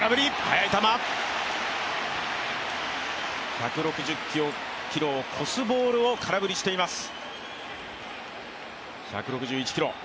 １６０キロを超すボールを空振りしています。